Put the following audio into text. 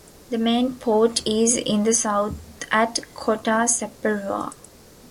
The main port is in the south at Kota Saparua.